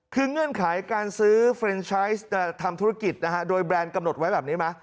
คือเงื่อนไขการซื้อเฟรนชัยทำธุรกิจนะฮะโดยแบรนด์กำหนดไว้แบบนี้ไหม